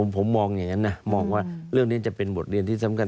ผมมองอย่างนั้นนะมองว่าเรื่องนี้จะเป็นบทเรียนที่สำคัญ